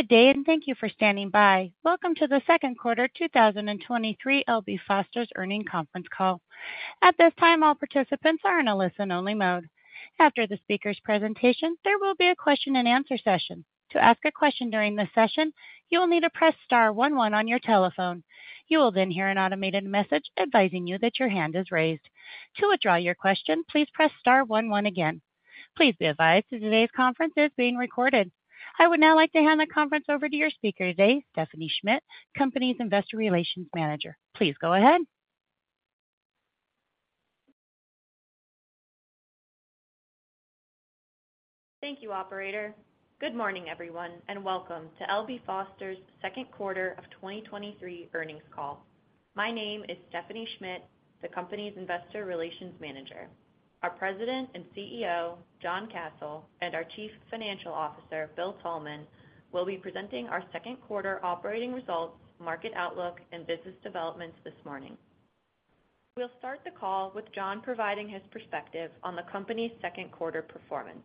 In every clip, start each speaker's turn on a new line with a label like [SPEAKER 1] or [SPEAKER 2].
[SPEAKER 1] Good day, and thank you for standing by. Welcome to the second quarter 2023 L.B. Foster's Earnings Conference Call. At this time, all participants are in a listen-only mode. After the speaker's presentation, there will be a question-and-answer session. To ask a question during this session, you will need to press star one one on your telephone. You will then hear an automated message advising you that your hand is raised. To withdraw your question, please press star one one again. Please be advised that today's conference is being recorded. I would now like to hand the conference over to your speaker today, Stephanie Schmidt, company's Investor Relations Manager. Please go ahead.
[SPEAKER 2] Thank you, operator. Good morning, everyone, and welcome to L.B. Foster's second quarter of 2023 earnings call. My name is Stephanie Schmidt, the company's investor relations manager. Our President and CEO, John Kasel, and our Chief Financial Officer, Bill Thalman, will be presenting our second quarter operating results, market outlook, and business developments this morning. We'll start the call with John providing his perspective on the company's second quarter performance.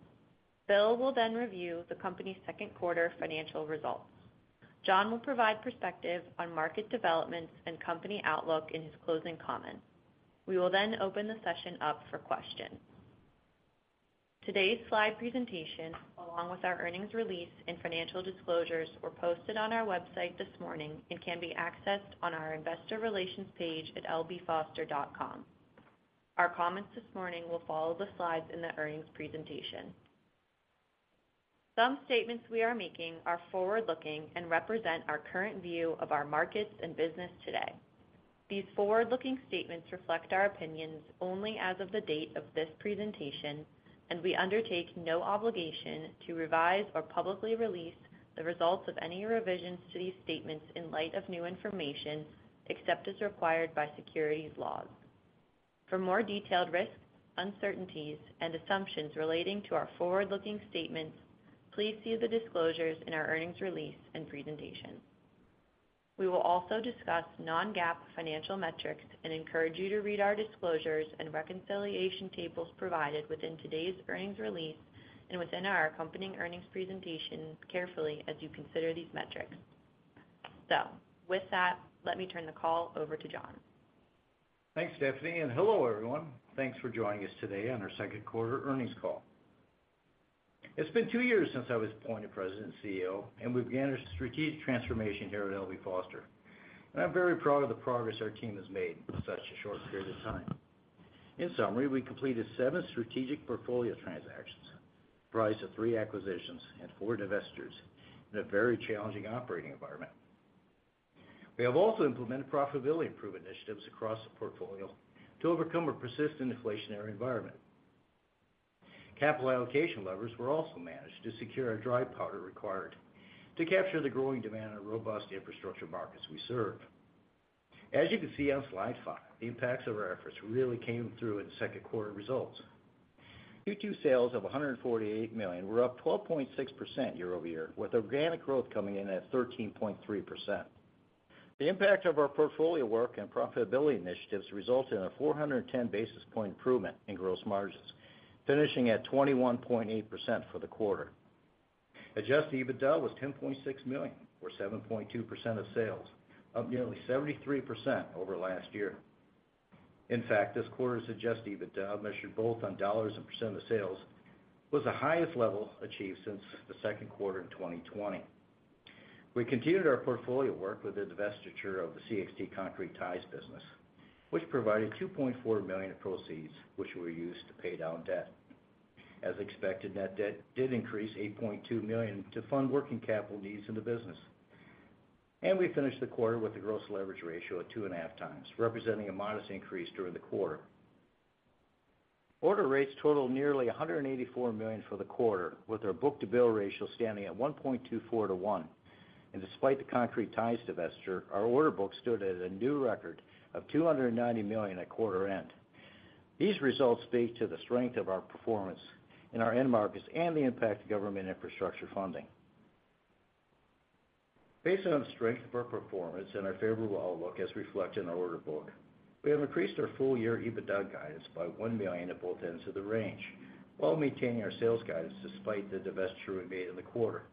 [SPEAKER 2] Bill will then review the company's second quarter financial results. John will provide perspective on market developments and company outlook in his closing comments. We will then open the session up for questions. Today's slide presentation, along with our earnings release and financial disclosures, were posted on our website this morning and can be accessed on our Investor Relations page at lbfoster.com. Our comments this morning will follow the slides in the earnings presentation. Some statements we are making are forward-looking and represent our current view of our markets and business today. These forward-looking statements reflect our opinions only as of the date of this presentation, and we undertake no obligation to revise or publicly release the results of any revisions to these statements in light of new information, except as required by securities laws. For more detailed risks, uncertainties, and assumptions relating to our forward-looking statements, please see the disclosures in our earnings release and presentation. We will also discuss non-GAAP financial metrics and encourage you to read our disclosures and reconciliation tables provided within today's earnings release and within our accompanying earnings presentation carefully as you consider these metrics. With that, let me turn the call over to John.
[SPEAKER 3] Thanks, Stephanie. Hello, everyone. Thanks for joining us today on our second quarter earnings call. It's been two years since I was appointed President and CEO, and we began a strategic transformation here at L.B. Foster, and I'm very proud of the progress our team has made in such a short period of time. In summary, we completed seven strategic portfolio transactions, priced at three acquisitions and four divestitures, in a very challenging operating environment. We have also implemented profitability improvement initiatives across the portfolio to overcome a persistent inflationary environment. Capital allocation levers were also managed to secure our dry powder required to capture the growing demand in the robust infrastructure markets we serve. As you can see on slide five, the impacts of our efforts really came through in second quarter results. Q2 sales of $148 million were up 12.6% year-over-year, with organic growth coming in at 13.3%. The impact of our portfolio work and profitability initiatives resulted in a 410 basis point improvement in gross margins, finishing at 21.8% for the quarter. Adjusted EBITDA was $10.6 million, or 7.2% of sales, up nearly 73% over last year. In fact, this quarter's adjusted EBITDA, measured both on dollars and percent of sales, was the highest level achieved since the second quarter in 2020. We continued our portfolio work with the divestiture of the CXT Concrete Ties business, which provided $2.4 million of proceeds, which were used to pay down debt. As expected, net debt did increase $8.2 million to fund working capital needs in the business. We finished the quarter with a gross leverage ratio of 2.5 times, representing a modest increase during the quarter. Order rates totaled nearly $184 million for the quarter, with our book-to-bill ratio standing at 1.24 to one. Despite the concrete ties divestiture, our order book stood at a new record of $290 million at quarter end. These results speak to the strength of our performance in our end markets and the impact of government infrastructure funding. Based on the strength of our performance and our favorable outlook, as reflected in our order book, we have increased our full-year EBITDA guidance by $1 million at both ends of the range, while maintaining our sales guidance despite the divestiture we made in the quarter.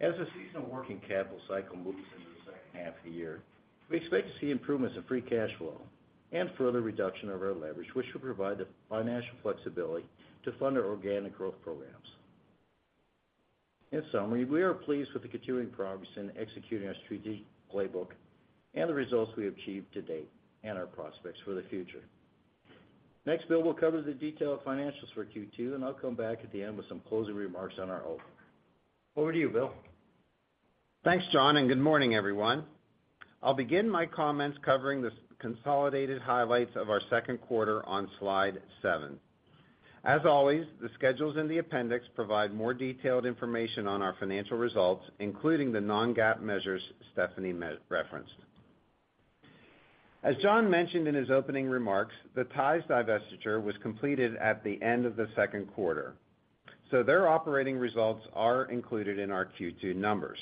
[SPEAKER 3] As the seasonal working capital cycle moves into the second half of the year, we expect to see improvements in free cash flow and further reduction of our leverage, which will provide the financial flexibility to fund our organic growth programs. In summary, we are pleased with the continuing progress in executing our strategic playbook and the results we achieved to date and our prospects for the future. Next, Bill will cover the detailed financials for Q2, and I'll come back at the end with some closing remarks on our own. Over to you, Bill.
[SPEAKER 4] Thanks, John. Good morning, everyone. I'll begin my comments covering the consolidated highlights of our second quarter on slide 7. As always, the schedules in the appendix provide more detailed information on our financial results, including the non-GAAP measures Stephanie referenced. As John mentioned in his opening remarks, the Ties divestiture was completed at the end of the second quarter. Their operating results are included in our Q2 numbers.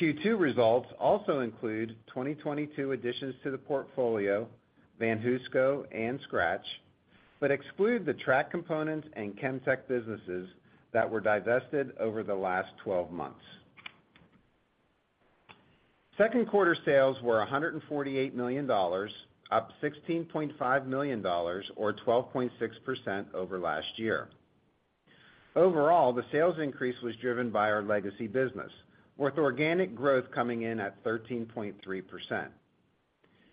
[SPEAKER 4] Q2 results also include 2022 additions to the portfolio, VanHooseCo and Skratch, exclude the track components and Chemtec businesses that were divested over the last 12 months. Second quarter sales were $148 million, up $16.5 million, or 12.6% over last year. Overall, the sales increase was driven by our legacy business, with organic growth coming in at 13.3%.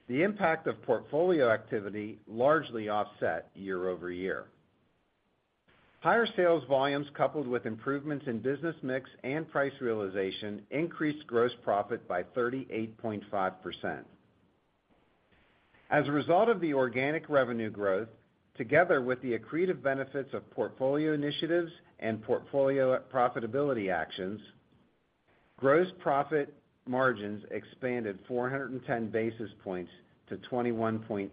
[SPEAKER 4] The impact of portfolio activity largely offset year-over-year. Higher sales volumes, coupled with improvements in business mix and price realization, increased gross profit by 38.5%. As a result of the organic revenue growth, together with the accretive benefits of portfolio initiatives and portfolio profitability actions, gross profit margins expanded 410 basis points to 21.8%.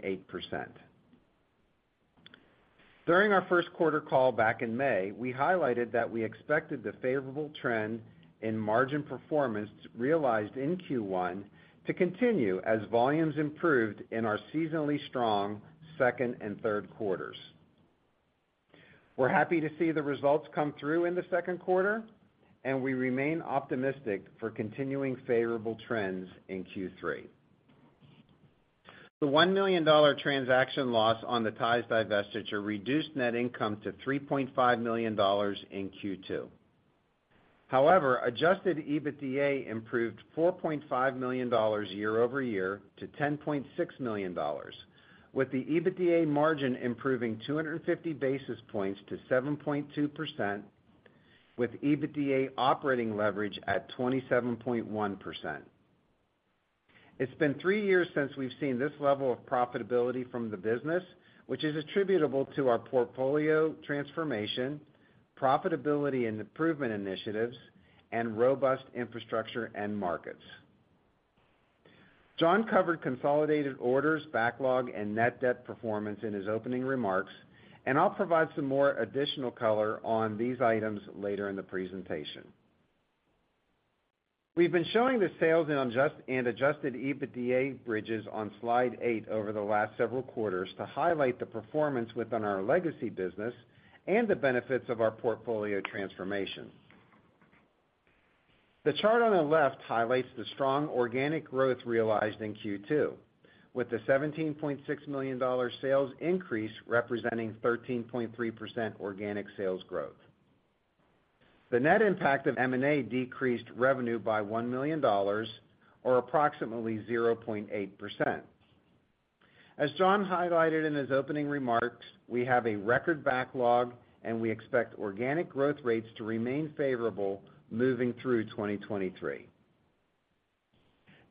[SPEAKER 4] During our 1st quarter call back in May, we highlighted that we expected the favorable trend in margin performance realized in Q1 to continue as volumes improved in our seasonally strong second and third quarters. We're happy to see the results come through in the second quarter, and we remain optimistic for continuing favorable trends in Q3. The $1 million transaction loss on the Ties divestiture reduced net income to $3.5 million in Q2. Adjusted EBITDA improved $4.5 million year-over-year to $10.6 million, with the EBITDA margin improving 250 basis points to 7.2%, with EBITDA operating leverage at 27.1%. It's been three years since we've seen this level of profitability from the business, which is attributable to our portfolio transformation, profitability and improvement initiatives, and robust infrastructure and markets. John covered consolidated orders, backlog, and net debt performance in his opening remarks. I'll provide some more additional color on these items later in the presentation. We've been showing the sales and adjusted EBITDA bridges on Slide 8 over the last several quarters to highlight the performance within our legacy business and the benefits of our portfolio transformation. The chart on the left highlights the strong organic growth realized in Q2, with the $17.6 million sales increase representing 13.3% organic sales growth. The net impact of M&A decreased revenue by $1 million, or approximately 0.8%. As John highlighted in his opening remarks, we have a record backlog, and we expect organic growth rates to remain favorable moving through 2023.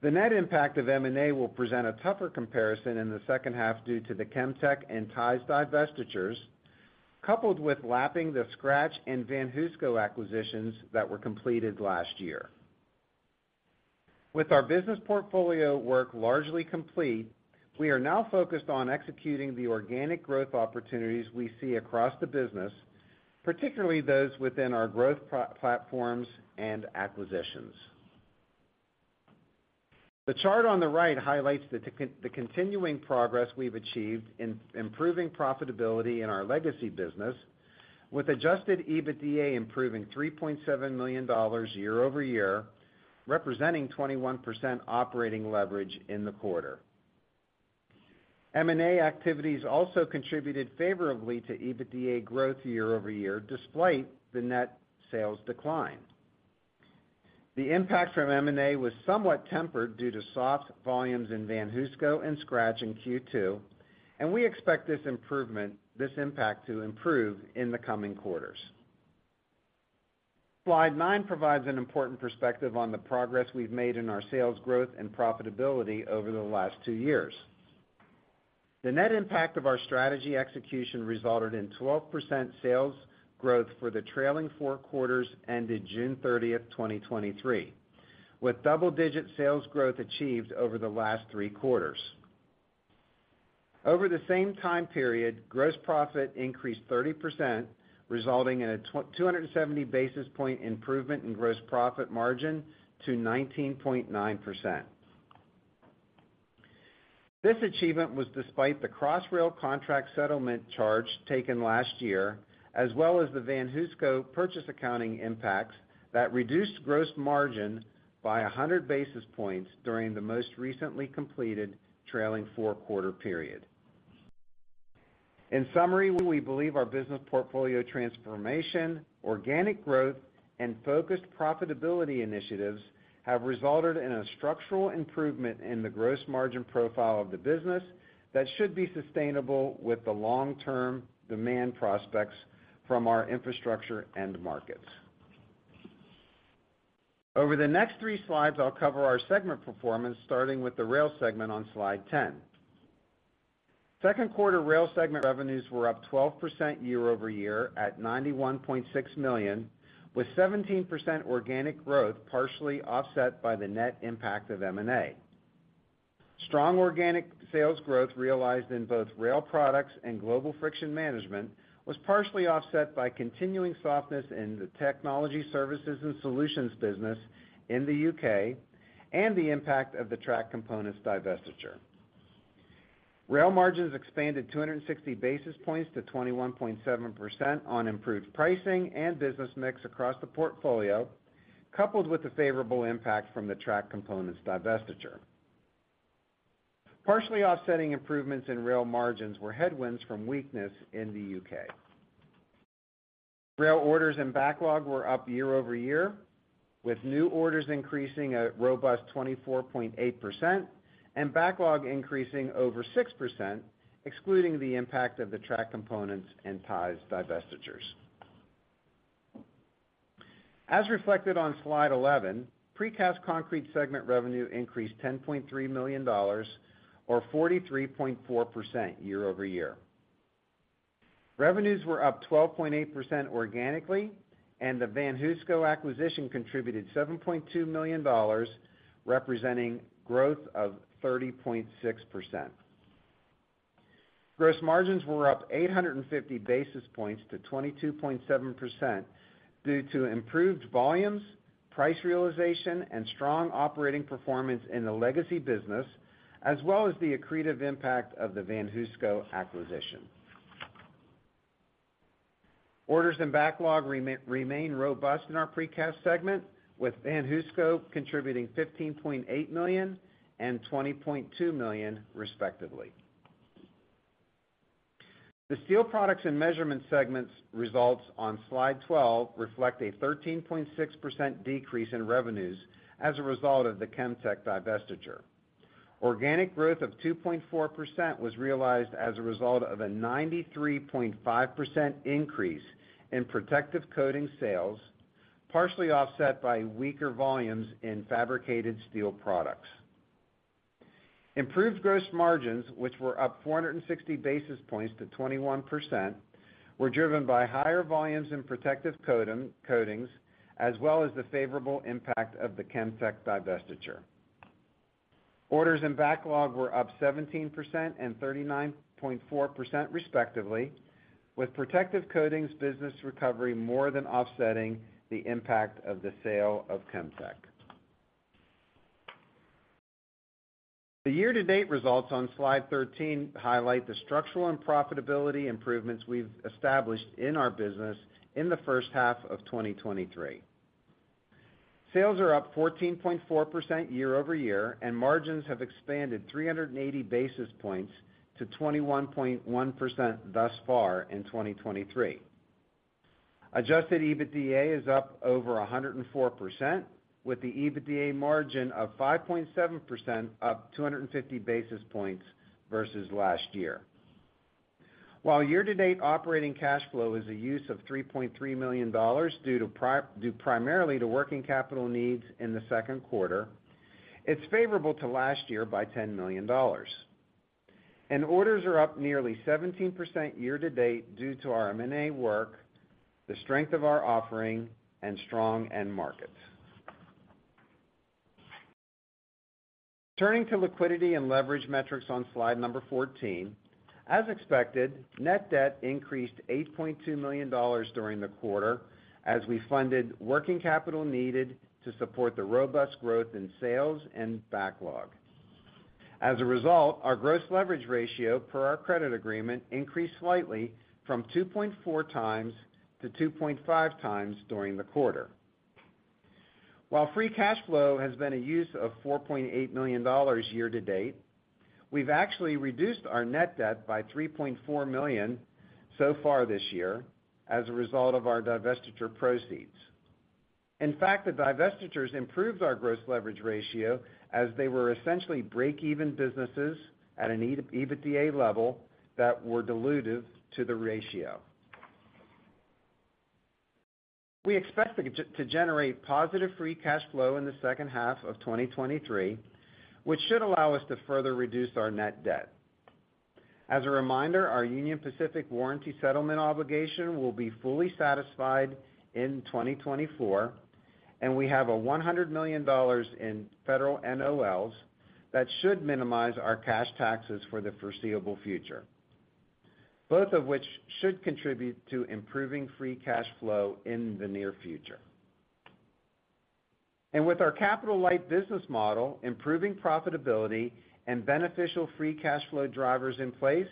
[SPEAKER 4] The net impact of M&A will present a tougher comparison in the second half due to the Chemtec and Ties divestitures, coupled with lapping the Skratch and VanHooseCo acquisitions that were completed last year. With our business portfolio work largely complete, we are now focused on executing the organic growth opportunities we see across the business, particularly those within our growth platforms and acquisitions. The chart on the right highlights the continuing progress we've achieved in improving profitability in our legacy business, with adjusted EBITDA improving $3.7 million year-over-year, representing 21% operating leverage in the quarter. M&A activities also contributed favorably to EBITDA growth year-over-year, despite the net sales decline. The impact from M&A was somewhat tempered due to soft volumes in VanHooseCo and Skratch in Q2, we expect this impact to improve in the coming quarters. Slide nine provides an important perspective on the progress we've made in our sales growth and profitability over the last two years. The net impact of our strategy execution resulted in 12% sales growth for the trailing four quarters ended June 30th, 2023, with double-digit sales growth achieved over the last three quarters. Over the same time period, gross profit increased 30%, resulting in a 270 basis point improvement in gross profit margin to 19.9%. This achievement was despite the Crossrail contract settlement charge taken last year, as well as the VanHooseCo purchase accounting impacts that reduced gross margin by 100 basis points during the most recently completed trailing fourth quarter period. In summary, we believe our business portfolio transformation, organic growth, and focused profitability initiatives have resulted in a structural improvement in the gross margin profile of the business that should be sustainable with the long-term demand prospects from our infrastructure and markets. Over the next three slides, I'll cover our segment performance, starting with the Rail segment on Slide 10. Second quarter Rail segment revenues were up 12% year-over-year at $91.6 million, with 17% organic growth, partially offset by the net impact of M&A. Strong organic sales growth realized in both rail products and Global Friction Management was partially offset by continuing softness in the Technology Services and Solutions business in the U.K. the impact of the track components divestiture. Rail margins expanded 260 basis points to 21.7% on improved pricing and business mix across the portfolio, coupled with the favorable impact from the track components divestiture. Partially offsetting improvements in rail margins were headwinds from weakness in the U.K. Rail orders and backlog were up year-over-year, with new orders increasing at a robust 24.8% and backlog increasing over 6%, excluding the impact of the track components and ties divestitures. As reflected on slide 11, Precast Concrete segment revenue increased $10.3 million or 43.4% year-over-year. Revenues were up 12.8% organically, and the VanHooseCo acquisition contributed $7.2 million, representing growth of 30.6%. Gross margins were up 850 basis points to 22.7% due to improved volumes, price realization, and strong operating performance in the legacy business, as well as the accretive impact of the VanHooseCo acquisition. Orders and backlog remain robust in our Precast segment, with VanHooseCo contributing $15.8 million and $20.2 million, respectively. The Steel Products and Measurement segments results on slide 12 reflect a 13.6% decrease in revenues as a result of the Chemtec divestiture. Organic growth of 2.4% was realized as a result of a 93.5% increase in Protective Coatings sales, partially offset by weaker volumes in fabricated steel products. Improved gross margins, which were up 460 basis points to 21%, were driven by higher volumes in Protective Coatings, as well as the favorable impact of the Chemtec divestiture. Orders and backlog were up 17% and 39.4%, respectively, with Protective Coatings business recovery more than offsetting the impact of the sale of Chemtec. The year-to-date results on slide 13 highlight the structural and profitability improvements we've established in our business in the first half of 2023. Sales are up 14.4% year-over-year, margins have expanded 380 basis points to 21.1% thus far in 2023. Adjusted EBITDA is up over 104%, with the EBITDA margin of 5.7% up 250 basis points versus last year. While year-to-date operating cash flow is a use of $3.3 million due primarily to working capital needs in the second quarter, it's favorable to last year by $10 million. Orders are up nearly 17% year to date due to our M&A work, the strength of our offering, and strong end markets. Turning to liquidity and leverage metrics on slide 14. As expected, net debt increased $8.2 million during the quarter as we funded working capital needed to support the robust growth in sales and backlog. As a result, our gross leverage ratio per our credit agreement increased slightly from 2.4 times to 2.5 times during the quarter. While free cash flow has been a use of $4.8 million year to date, we've actually reduced our net debt by $3.4 million so far this year as a result of our divestiture proceeds. In fact, the divestitures improved our gross leverage ratio as they were essentially break-even businesses at an EBITDA level that were dilutive to the ratio. We expect to generate positive free cash flow in the second half of 2023, which should allow us to further reduce our net debt. As a reminder, our Union Pacific warranty settlement obligation will be fully satisfied in 2024. We have a $100 million in federal NOLs that should minimize our cash taxes for the foreseeable future, both of which should contribute to improving free cash flow in the near future. With our capital-light business model, improving profitability and beneficial free cash flow drivers in place,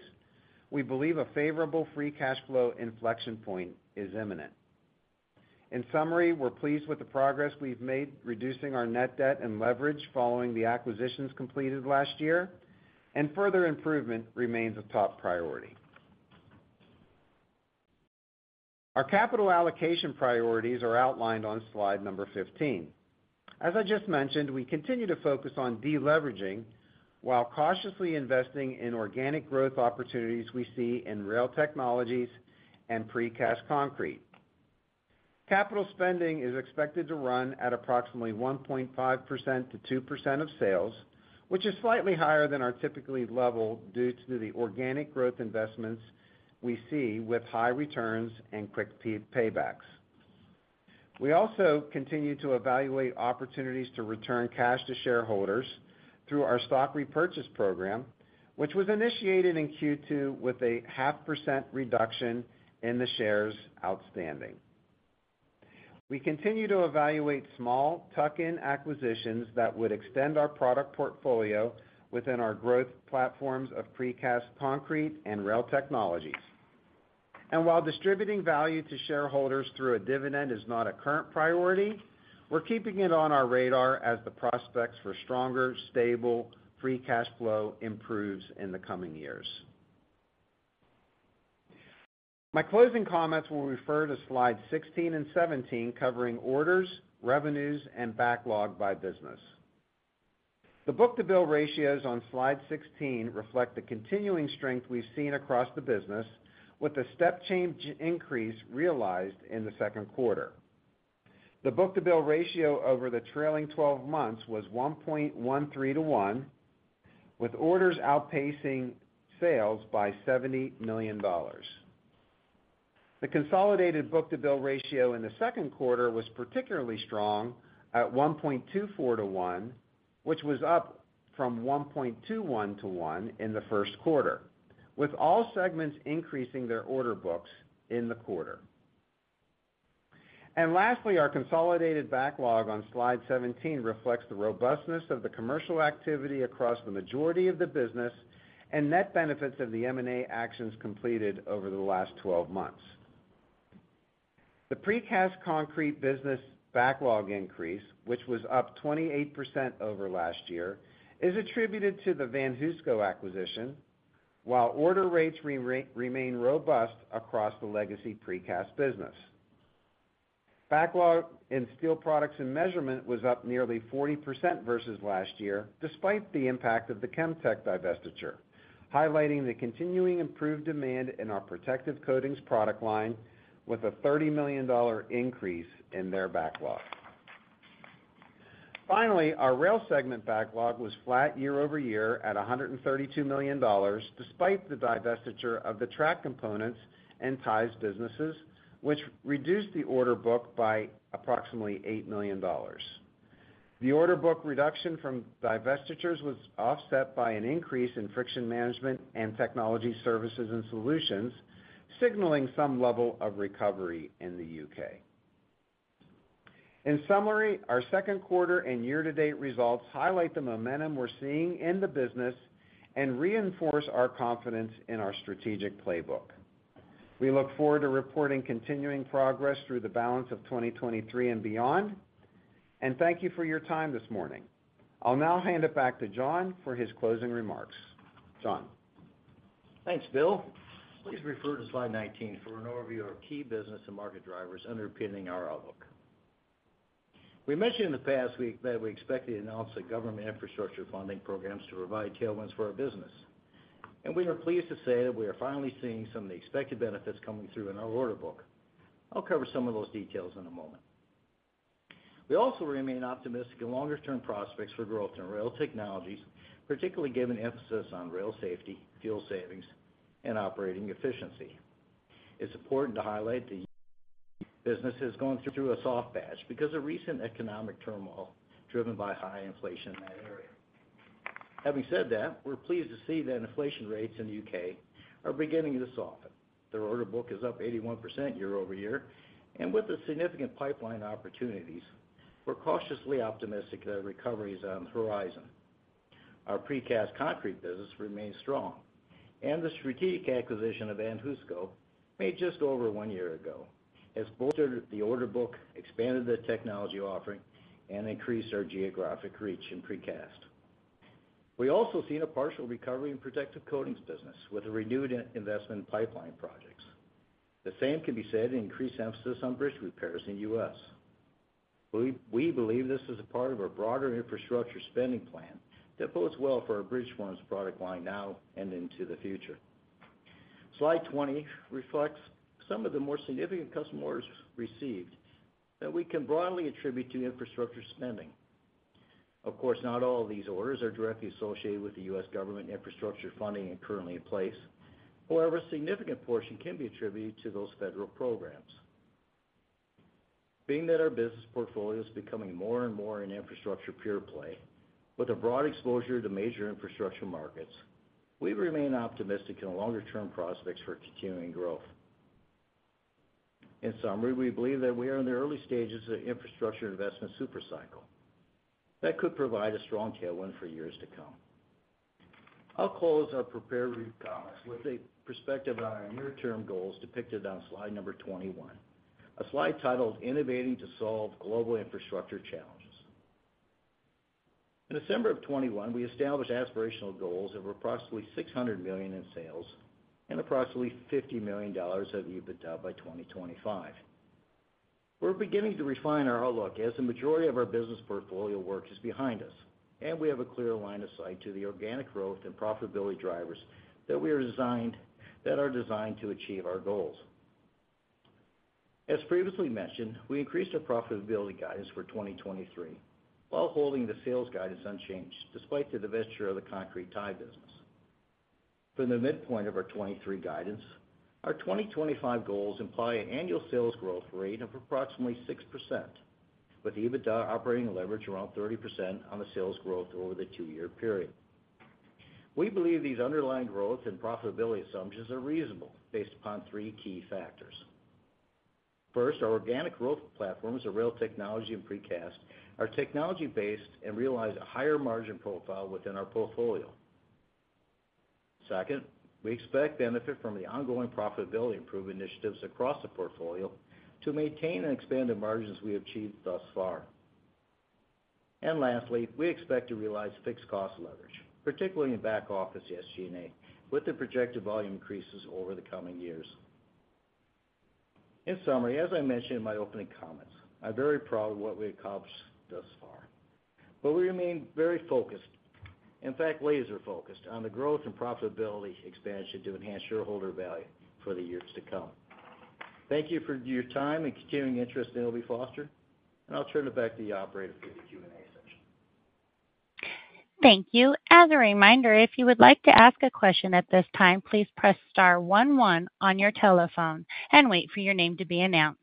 [SPEAKER 4] we believe a favorable free cash flow inflection point is imminent. In summary, we're pleased with the progress we've made, reducing our net debt and leverage following the acquisitions completed last year. Further improvement remains a top priority. Our capital allocation priorities are outlined on slide 15. As I just mentioned, we continue to focus on deleveraging while cautiously investing in organic growth opportunities we see in rail technologies and precast concrete. Capital spending is expected to run at approximately 1.5%-2% of sales, which is slightly higher than our typically level due to the organic growth investments we see with high returns and quick paybacks. We also continue to evaluate opportunities to return cash to shareholders through our stock repurchase program, which was initiated in Q2 with a 0.5% reduction in the shares outstanding. We continue to evaluate small tuck-in acquisitions that would extend our product portfolio within our growth platforms of Precast Concrete and Rail Technologies. While distributing value to shareholders through a dividend is not a current priority, we're keeping it on our radar as the prospects for stronger, stable, free cash flow improves in the coming years. My closing comments will refer to slide 16 and 17, covering orders, revenues, and backlog by business. The book-to-bill ratios on slide 16 reflect the continuing strength we've seen across the business, with a step change increase realized in the second quarter. The book-to-bill ratio over the trailing 12 months was 1.13 to one, with orders outpacing sales by $70 million. The consolidated book-to-bill ratio in the second quarter was particularly strong at 1.24 to 1, which was up from 1.21 to 1 in the first quarter, with all segments increasing their order books in the quarter. Lastly, our consolidated backlog on slide 17 reflects the robustness of the commercial activity across the majority of the business and net benefits of the M&A actions completed over the last 12 months. The Precast Concrete business backlog increase, which was up 28% over last year, is attributed to the VanHooseCo acquisition, while order rates remain robust across the legacy precast business. Backlog in Steel Products and Measurement was up nearly 40% versus last year, despite the impact of the Chemtec divestiture, highlighting the continuing improved demand in our Protective Coatings product line, with a $30 million increase in their backlog. Our rail segment backlog was flat year-over-year at $132 million, despite the divestiture of the track components and ties businesses, which reduced the order book by approximately $8 million. The order book reduction from divestitures was offset by an increase in Friction Management and Technology Services and Solutions, signaling some level of recovery in the U.K. In summary, our second quarter and year-to-date results highlight the momentum we're seeing in the business and reinforce our confidence in our strategic playbook. We look forward to reporting continuing progress through the balance of 2023 and beyond. Thank you for your time this morning. I'll now hand it back to John for his closing remarks. John?
[SPEAKER 3] Thanks, Bill. Please refer to slide 19 for an overview of key business and market drivers underpinning our outlook. We mentioned in the past week that we expect to announce the government infrastructure funding programs to provide tailwinds for our business. We are pleased to say that we are finally seeing some of the expected benefits coming through in our order book. I'll cover some of those details in a moment. We also remain optimistic in longer-term prospects for growth in Rail Technologies, particularly given emphasis on rail safety, fuel savings, and operating efficiency. It's important to highlight the business is going through a soft patch because of recent economic turmoil driven by high inflation in that area. Having said that, we're pleased to see that inflation rates in the U.K. are beginning to soften. Their order book is up 81% year-over-year, with the significant pipeline opportunities, we're cautiously optimistic that a recovery is on the horizon. Our Precast Concrete business remains strong, the strategic acquisition of VanHooseCo, made just over one year ago, has bolstered the order book, expanded the technology offering, and increased our geographic reach in Precast. We also seen a partial recovery in Protective Coatings business with a renewed investment pipeline projects. The same can be said in increased emphasis on bridge repairs in the U.S. We believe this is a part of our broader infrastructure spending plan that bodes well for our bridge forms product line now and into the future. Slide 20 reflects some of the more significant customer orders received that we can broadly attribute to infrastructure spending. Of course, not all of these orders are directly associated with the U.S. government infrastructure funding currently in place. However, a significant portion can be attributed to those federal programs. Being that our business portfolio is becoming more and more an infrastructure pure play, with a broad exposure to major infrastructure markets, we remain optimistic in the longer-term prospects for continuing growth. In summary, we believe that we are in the early stages of infrastructure investment super cycle. That could provide a strong tailwind for years to come. I'll close our prepared comments with a perspective on our near-term goals depicted on slide number 21, a slide titled Innovating to Solve Global Infrastructure Challenges. In December of 2021, we established aspirational goals of approximately $600 million in sales and approximately $50 million of EBITDA by 2025. We're beginning to refine our outlook as the majority of our business portfolio work is behind us, and we have a clear line of sight to the organic growth and profitability drivers that are designed to achieve our goals. As previously mentioned, we increased our profitability guidance for 2023, while holding the sales guidance unchanged despite the divestiture of the concrete tie business. From the midpoint of our 2023 guidance, our 2025 goals imply an annual sales growth rate of approximately 6%, with EBITDA operating leverage around 30% on the sales growth over the two year period. We believe these underlying growth and profitability assumptions are reasonable, based upon three key factors. First, our organic growth platforms, our Rail Technologies and Precast Concrete, are technology-based and realize a higher margin profile within our portfolio. Second, we expect benefit from the ongoing profitability improvement initiatives across the portfolio to maintain and expand the margins we achieved thus far. Lastly, we expect to realize fixed cost leverage, particularly in back office SG&A, with the projected volume increases over the coming years. In summary, as I mentioned in my opening comments, I'm very proud of what we accomplished thus far, but we remain very focused, in fact, laser focused, on the growth and profitability expansion to enhance shareholder value for the years to come. Thank you for your time and continuing interest in L.B. Foster, and I'll turn it back to the operator for the Q&A session.
[SPEAKER 1] Thank you. As a reminder, if you would like to ask a question at this time, please press star one, one on your telephone and wait for your name to be announced.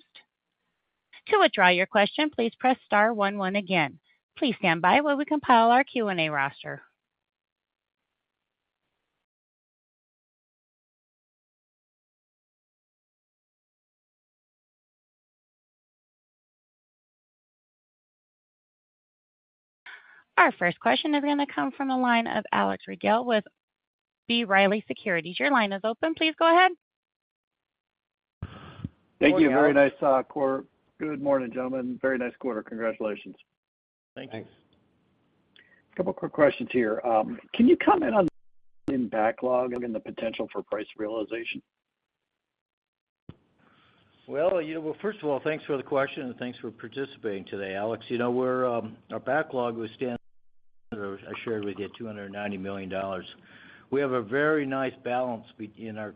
[SPEAKER 1] To withdraw your question, please press star one, one again. Please stand by while we compile our Q&A roster. Our first question is going to come from the line of Alex Rygiel with B. Riley Securities. Your line is open. Please go ahead.
[SPEAKER 5] Thank you. Very nice quarter. Good morning, gentlemen. Very nice quarter. Congratulations.
[SPEAKER 3] Thanks.
[SPEAKER 6] Thanks.
[SPEAKER 5] A couple quick questions here. Can you comment on in backlog and the potential for price realization?
[SPEAKER 3] Well, you know, well, first of all, thanks for the question, and thanks for participating today, Alex. You know, we're, our backlog was standing, I shared with you, $290 million. We have a very nice balance in our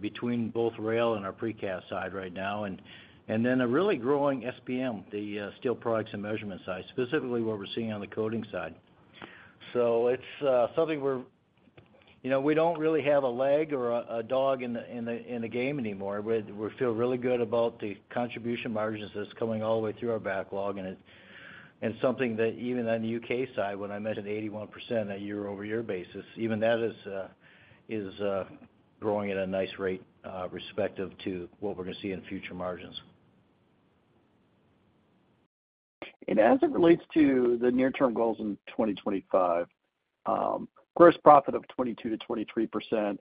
[SPEAKER 3] between both rail and our precast side right now, and then a really growing SPM, the Steel Products and Measurement side, specifically what we're seeing on the coatings side. It's something we're. You know, we don't really have a leg or a, a dog in the, in the, in the game anymore. We, we feel really good about the contribution margins that's coming all the way through our backlog, and it's something that even on the U.K. side, when I mentioned 81%, a year-over-year basis, even that is growing at a nice rate respective to what we're going to see in future margins.
[SPEAKER 5] As it relates to the near-term goals in 2025, gross profit of 22%-23%,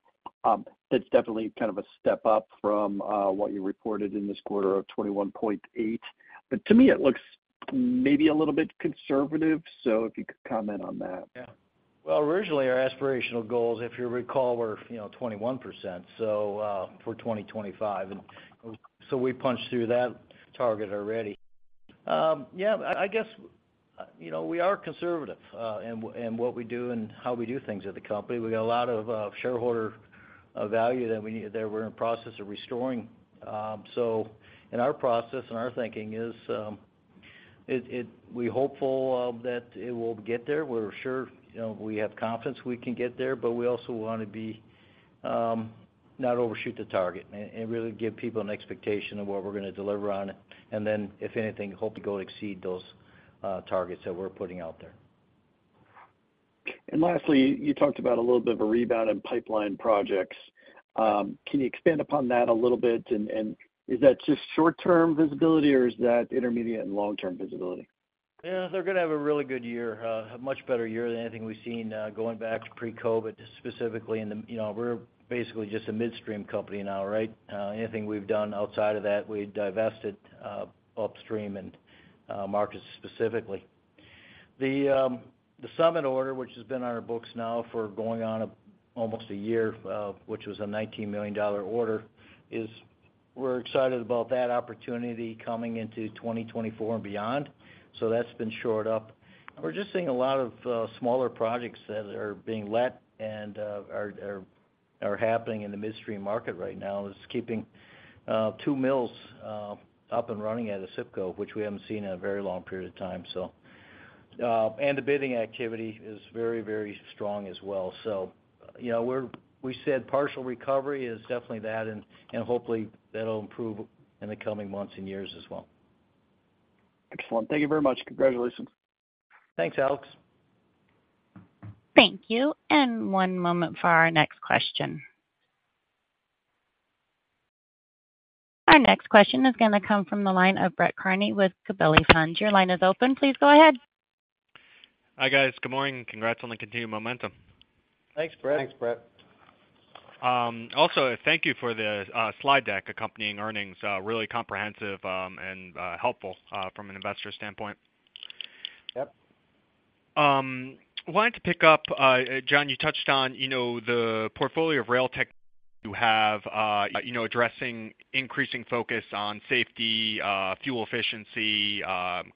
[SPEAKER 5] that's definitely kind of a step up from what you reported in this quarter of 21.8%. To me, it looks maybe a little bit conservative. If you could comment on that.
[SPEAKER 3] Yeah. Well, originally, our aspirational goals, if you recall, were, you know, 21% for 2025. We punched through that target already. Yeah, I, I guess, you know, we are conservative in what we do and how we do things at the company. We got a lot of shareholder value that we, that we're in the process of restoring. In our process and our thinking is, it, it-- we're hopeful that it will get there. We're sure, you know, we have confidence we can get there, we also want to be not overshoot the target and, and really give people an expectation of what we're going to deliver on it. If anything, hope to go exceed those targets that we're putting out there.
[SPEAKER 5] Lastly, you talked about a little bit of a rebound in pipeline projects. Can you expand upon that a little bit? Is that just short-term visibility, or is that intermediate and long-term visibility?
[SPEAKER 3] They're going to have a really good year, a much better year than anything we've seen, going back to pre-COVID, specifically in the... You know, we're basically just a midstream company now, right? Anything we've done outside of that, we divested, upstream and, markets specifically. The Summit order, which has been on our books now for going on almost a year, which was a $19 million order, is we're excited about that opportunity coming into 2024 and beyond. That's been shored up. We're just seeing a lot of smaller projects that are being let and are happening in the midstream market right now. It's keeping two mills up and running at ACIPCO, which we haven't seen in a very long period of time, so. The bidding activity is very, very strong as well. You know, we said partial recovery is definitely that, and, and hopefully that'll improve in the coming months and years as well.
[SPEAKER 5] Excellent. Thank you very much. Congratulations.
[SPEAKER 3] Thanks, Alex.
[SPEAKER 1] Thank you. One moment for our next question. Our next question is going to come from the line of Brett Kearney with Gabelli Funds. Your line is open. Please go ahead.
[SPEAKER 6] Hi, guys. Good morning. Congrats on the continued momentum.
[SPEAKER 3] Thanks, Brett.
[SPEAKER 6] Thanks, Brett. Also, thank you for the slide deck accompanying earnings, really comprehensive, and helpful from an investor standpoint.
[SPEAKER 3] Yep.
[SPEAKER 6] Wanted to pick up, John, you touched on, you know, the portfolio of rail tech you have, you know, addressing increasing focus on safety, fuel efficiency,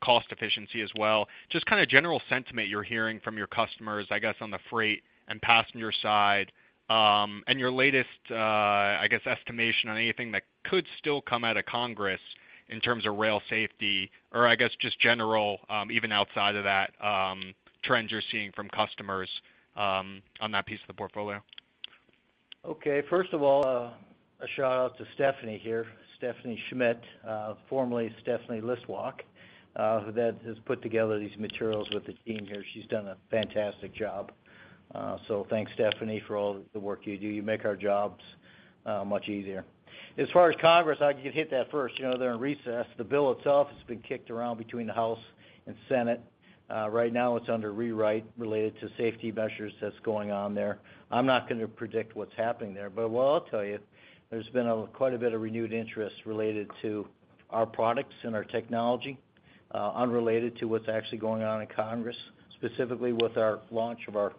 [SPEAKER 6] cost efficiency as well. Just kind of general sentiment you're hearing from your customers, I guess, on the freight and passenger side, and your latest, I guess, estimation on anything that could still come out of Congress in terms of rail safety, or I guess just general, even outside of that, trends you're seeing from customers, on that piece of the portfolio?
[SPEAKER 3] Okay, first of all, a shout out to Stephanie here, Stephanie Schmidt, formerly Stephanie Listwak, that has put together these materials with the team here. She's done a fantastic job. So thanks, Stephanie, for all the work you do. You make our jobs much easier. As far as Congress, I can hit that first. You know, they're in recess. The bill itself has been kicked around between the House and Senate. Right now, it's under rewrite related to safety measures that's going on there. I'm not going to predict what's happening there, but what I'll tell you, there's been a quite a bit of renewed interest related to our products and our technology, unrelated to what's actually going on in Congress, specifically with our launch of our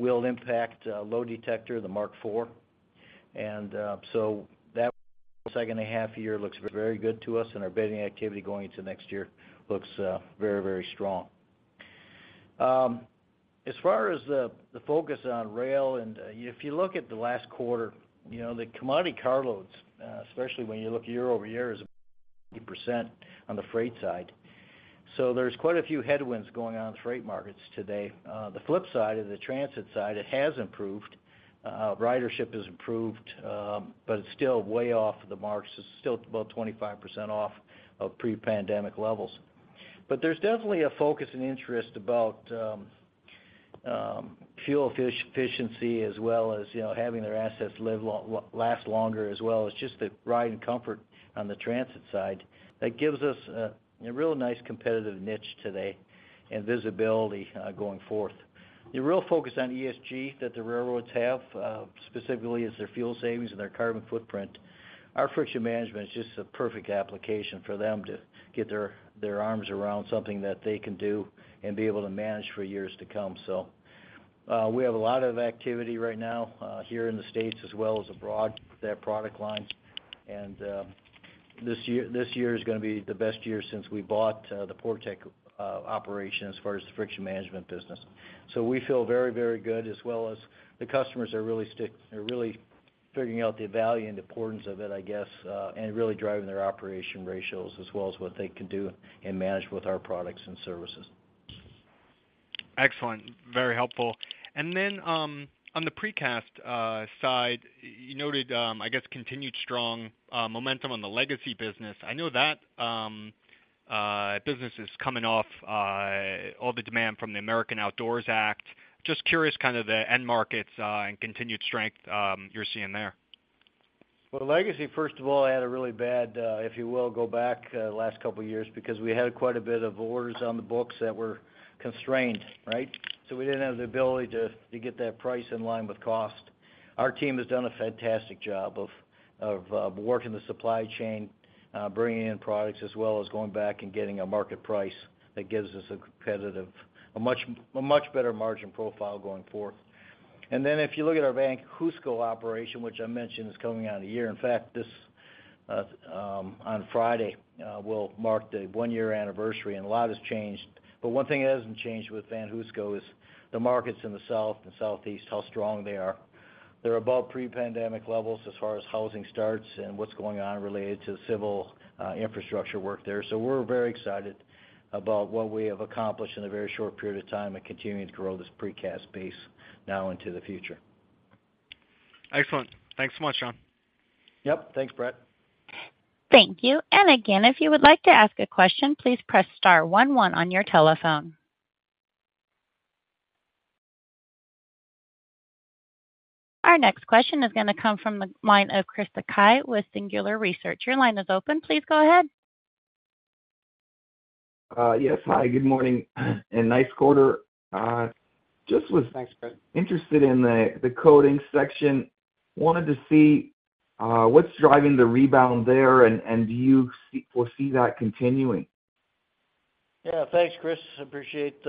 [SPEAKER 3] Wheel Impact Load Detector, the WILD IV. That second half year looks very good to us, and our bidding activity going into next year looks very, very strong. As far as the focus on rail, and if you look at the last quarter, you know, the commodity car loads, especially when you look year-over-year, is percent on the freight side. There's quite a few headwinds going on in the freight markets today. The flip side is the transit side, it has improved. Ridership has improved, but it's still way off the marks. It's still about 25% off of pre-pandemic levels. There's definitely a focus and interest about fuel efficiency as well as, you know, having their assets last longer, as well as just the ride and comfort on the transit side. That gives us a, a real nice competitive niche today and visibility going forth. The real focus on ESG that the railroads have specifically is their fuel savings and their carbon footprint. Our Friction Management is just a perfect application for them to get their, their arms around something that they can do and be able to manage for years to come. We have a lot of activity right now here in the States as well as abroad, that product line. This year, this year is going to be the best year since we bought the Portec operation as far as the Friction Management business. We feel very, very good, as well as the customers are really figuring out the value and importance of it, I guess, and really driving their operation ratios as well as what they can do and manage with our products and services.
[SPEAKER 6] Excellent. Very helpful. Then, on the precast side, you noted, I guess, continued strong momentum on the legacy business. I know that business is coming off all the demand from the Great American Outdoors Act. Just curious, kind of the end markets and continued strength you're seeing there.
[SPEAKER 3] Well, legacy, first of all, had a really bad, if you will, go back, last couple of years because we had quite a bit of orders on the books that were constrained, right? We didn't have the ability to, to get that price in line with cost. Our team has done a fantastic job of, of, working the supply chain, bringing in products, as well as going back and getting a market price that gives us a competitive, a much, a much better margin profile going forward. Then if you look at our VanHooseCo operation, which I mentioned is coming out a year, in fact, this, on Friday, will mark the one-year anniversary, and a lot has changed. One thing that hasn't changed with VanHooseCo is the markets in the South and Southeast, how strong they are. They're above pre-pandemic levels as far as housing starts and what's going on related to civil infrastructure work there. We're very excited about what we have accomplished in a very short period of time and continuing to grow this precast base now into the future.
[SPEAKER 6] Excellent. Thanks so much, John.
[SPEAKER 3] Yep. Thanks, Brett.
[SPEAKER 1] Thank you. Again, if you would like to ask a question, please press star one, one on your telephone. Our next question is going to come from the line of Chris Sakai with Singular Research. Your line is open. Please go ahead.
[SPEAKER 7] Yes. Hi, good morning, and nice quarter.
[SPEAKER 3] Thanks, Chris....
[SPEAKER 7] interested in the, the coatings section. Wanted to see, what's driving the rebound there, and, and do you see-- foresee that continuing?
[SPEAKER 3] Yeah. Thanks, Chris. Appreciate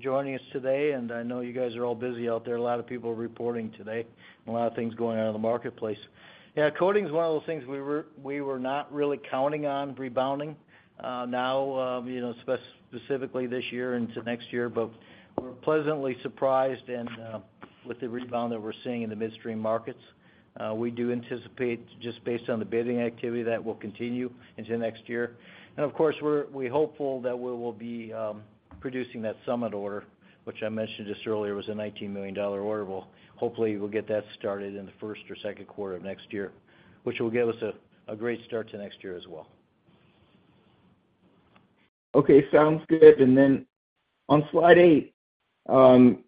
[SPEAKER 3] joining us today. I know you guys are all busy out there. A lot of people are reporting today. A lot of things going on in the marketplace. Yeah, coatings is one of those things we were, we were not really counting on rebounding now, you know, specifically this year into next year. We're pleasantly surprised with the rebound that we're seeing in the midstream markets. We do anticipate, just based on the bidding activity, that will continue into next year. Of course, we're hopeful that we will be producing that Summit order, which I mentioned just earlier, was a $19 million order. Well, hopefully, we'll get that started in the first or second quarter of next year, which will give us a great start to next year as well.
[SPEAKER 7] Okay, sounds good. On slide eight, you,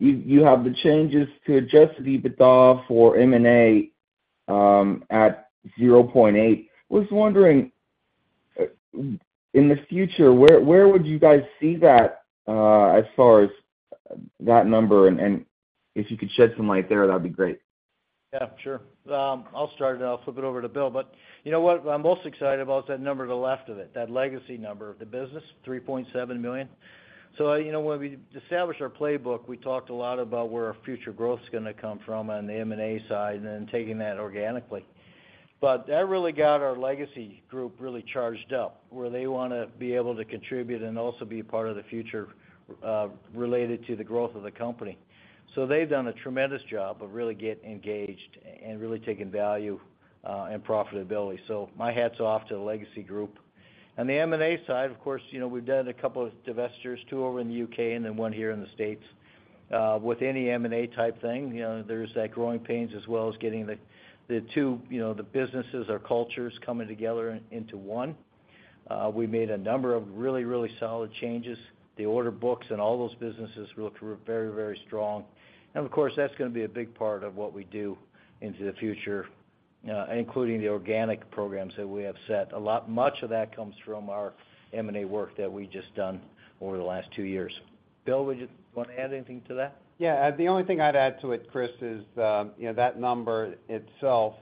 [SPEAKER 7] you have the changes to Adjusted EBITDA for M&A at $0.8 million. Was wondering, in the future, where, where would you guys see that as far as that number? If you could shed some light there, that'd be great.
[SPEAKER 3] Yeah, sure. I'll start, and I'll flip it over to Bill. You know what? I'm most excited about is that number to the left of it, that legacy number of the business, $3.7 million. You know, when we established our playbook, we talked a lot about where our future growth is going to come from on the M&A side and then taking that organically. That really got our Legacy Group really charged up, where they want to be able to contribute and also be part of the future, related to the growth of the company. They've done a tremendous job of really getting engaged and really taking value and profitability. My hat's off to the Legacy Group. On the M&A side, of course, you know, we've done a couple of divestitures, two over in the U.K. and then 1 here in the U.S. With any M&A type thing, you know, there's that growing pains as well as getting the, the two, you know, the businesses, our cultures, coming together into one. We made a number of really, really solid changes. The order books and all those businesses look very, very strong. Of course, that's gonna be a big part of what we do into the future, including the organic programs that we have set. Much of that comes from our M&A work that we've just done over the last two years. Bill, would you want to add anything to that?
[SPEAKER 4] Yeah. The only thing I'd add to it, Chris, is, you know, that number itself,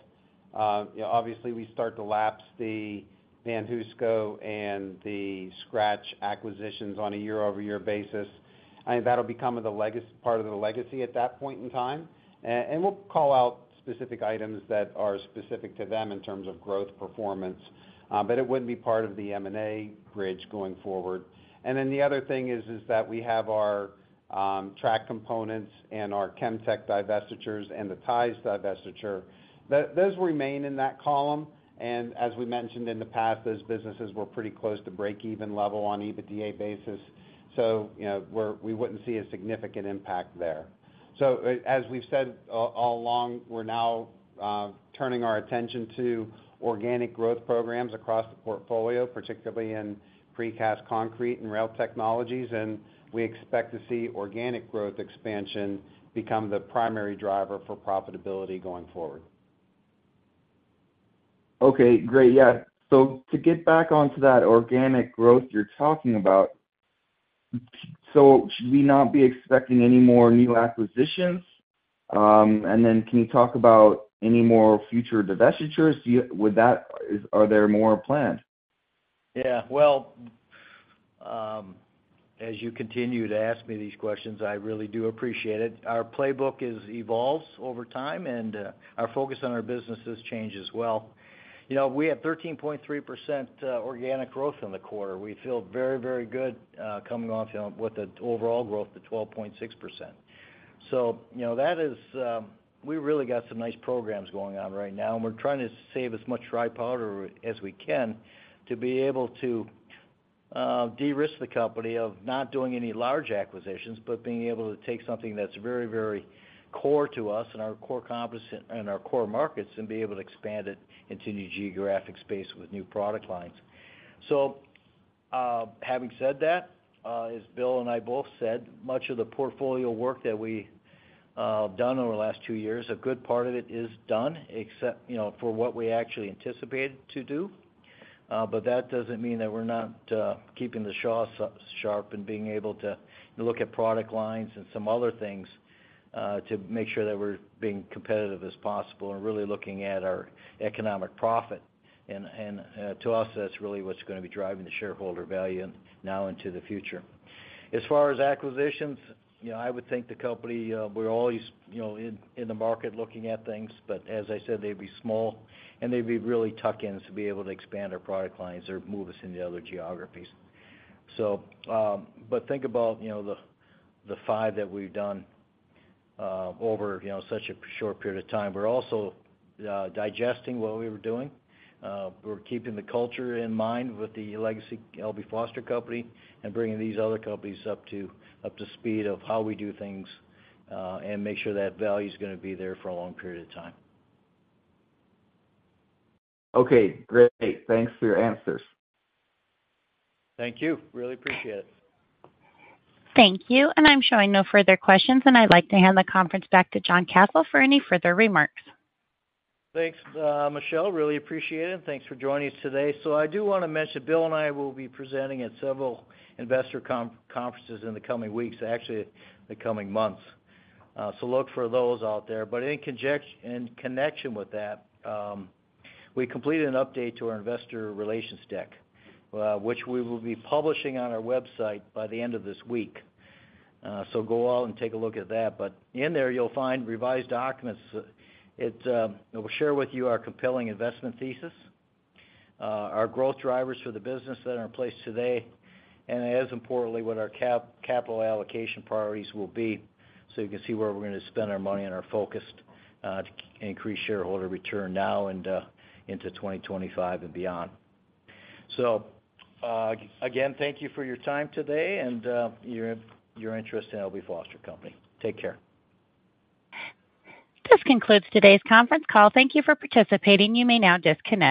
[SPEAKER 4] you know, obviously, we start to lapse the VanHooseCo and the Skratch acquisitions on a year-over-year basis, and that'll become of the legacy, part of the legacy at that point in time. We'll call out specific items that are specific to them in terms of growth performance, but it wouldn't be part of the M&A bridge going forward. The other thing is, is that we have our track components and our Chemtec divestitures and the ties divestiture. Those remain in that column, and as we mentioned in the past, those businesses were pretty close to breakeven level on EBITDA basis. You know, we wouldn't see a significant impact there. As we've said all, all along, we're now turning our attention to organic growth programs across the portfolio, particularly in Precast Concrete and Rail Technologies, and we expect to see organic growth expansion become the primary driver for profitability going forward.
[SPEAKER 7] Okay, great. Yeah, to get back onto that organic growth you're talking about, should we not be expecting any more new acquisitions? Can you talk about any more future divestitures? Are there more planned?
[SPEAKER 3] Yeah. Well, as you continue to ask me these questions, I really do appreciate it. Our playbook is, evolves over time, and our focus on our businesses change as well. You know, we have 13.3% organic growth in the quarter. We feel very, very good, coming off, you know, with the overall growth to 12.6%. You know, that is, we really got some nice programs going on right now, and we're trying to save as much dry powder as we can to be able to de-risk the company of not doing any large acquisitions, but being able to take something that's very, very core to us and our core competence and our core markets, and be able to expand it into new geographic space with new product lines. Having said that, as Bill and I both said, much of the portfolio work that we done over the last two years, a good part of it is done, except, you know, for what we actually anticipated to do. That doesn't mean that we're not keeping the saws sharp and being able to look at product lines and some other things to make sure that we're being competitive as possible and really looking at our economic profit. To us, that's really what's gonna be driving the shareholder value now into the future. As far as acquisitions, you know, I would think the company, we're always, you know, in, in the market looking at things, but as I said, they'd be small, and they'd be really tuck-ins to be able to expand our product lines or move us into other geographies. Think about, you know, the, the five that we've done, over, you know, such a short period of time. We're also, digesting what we were doing. We're keeping the culture in mind with the legacy L.B. Foster Company and bringing these other companies up to, up to speed of how we do things, and make sure that value is gonna be there for a long period of time.
[SPEAKER 7] Okay, great. Thanks for your answers.
[SPEAKER 3] Thank you. Really appreciate it.
[SPEAKER 1] Thank you, and I'm showing no further questions, and I'd like to hand the conference back to John Kasel for any further remarks.
[SPEAKER 3] Thanks, Michelle. Really appreciate it, and thanks for joining us today. I do wanna mention, Bill and I will be presenting at several investor conferences in the coming weeks, actually, the coming months. Look for those out there. In connection with that, we completed an update to our investor relations deck, which we will be publishing on our website by the end of this week. Go out and take a look at that. In there, you'll find revised documents. It, it will share with you our compelling investment thesis, our growth drivers for the business that are in place today, and as importantly, what our capital allocation priorities will be, so you can see where we're gonna spend our money and our focus, to increase shareholder return now and, into 2025 and beyond. Again, thank you for your time today and, your, your interest in L.B. Foster Company. Take care.
[SPEAKER 1] This concludes today's conference call. Thank you for participating. You may now disconnect.